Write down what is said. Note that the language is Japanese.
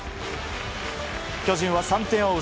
巨人は３点を追う